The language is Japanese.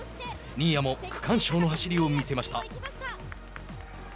新谷も区間賞の走りを見せました。